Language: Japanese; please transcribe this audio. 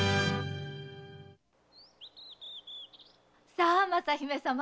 さあ雅姫様。